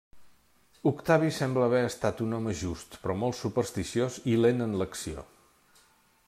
Octavi sembla haver estat un home just però molt supersticiós i lent en l'acció.